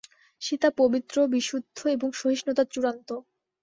সীতা পবিত্র, বিশুদ্ধ এবং সহিষ্ণুতার চূড়ান্ত।